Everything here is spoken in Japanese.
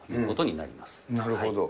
なるほど。